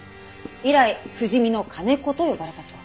以来不死身の金子と呼ばれたと。